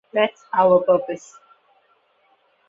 That's our purpose.